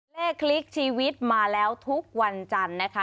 คลิกชีวิตมาแล้วทุกวันจันทร์นะคะ